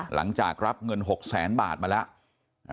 หลังจากรับเงิน๖แสนบาทมาแล้ว